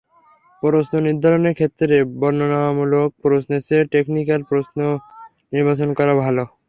প্রশ্ন নির্ধারণের ক্ষেত্রে বর্ণনামূলক প্রশ্নের চেয়ে টেকনিক্যাল প্রশ্ন নির্বাচন করা ভালো।